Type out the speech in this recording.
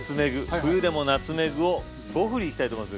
冬でもナツメグを５ふりいきたいと思います！